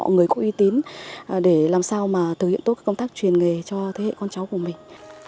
người có uy tín để làm sao mà thực hiện tốt công tác truyền nghề cho thế hệ con cháu của mình